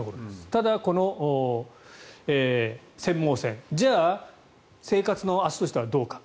ただこの釧網線じゃあ、生活の足としてどうか。